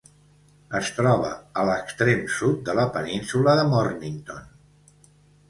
Es troba a l'extrem sud de la península de Mornington.